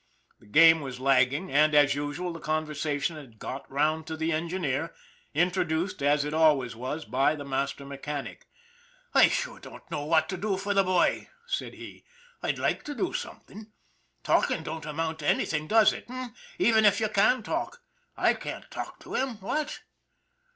The game was lagging, and, as usual, the conversation had got around to the engineer, introduced, as it always was, by the master mechanic. " I sure don't know what to do for the boy," said he. " I'd like to do something. Talking don't amount to anything, does it, h'm ? even if you can talk. I can't talk to him, what?"